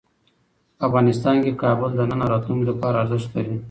افغانستان کې کابل د نن او راتلونکي لپاره ارزښت لري.